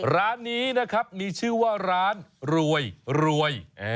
ร้านนี้นะครับมีชื่อว่าร้านรวยรวย